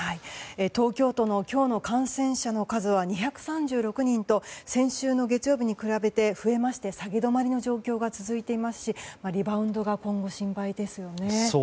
東京都の今日の感染者の数は２３６人と先週の月曜日に比べて増えまして下げ止まりの状況が続いていますしリバウンドが今後、心配ですね。